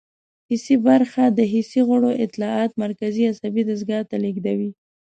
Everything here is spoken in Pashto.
حسي برخه د حسي غړو اطلاعات مرکزي عصبي دستګاه ته لیږدوي.